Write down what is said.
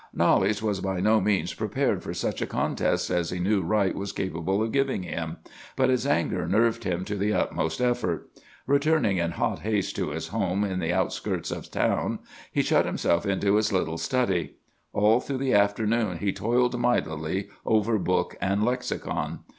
"Knollys was by no means prepared for such a contest as he knew Wright was capable of giving him; but his anger nerved him to the utmost effort. Returning in hot haste to his home in the outskirts of the town, he shut himself into his little study. All through the afternoon he toiled mightily over book and lexicon.